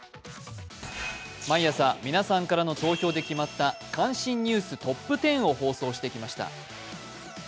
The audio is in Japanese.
毎朝皆さんからの投票で決まった関心ニューストップ１０を放送してきました。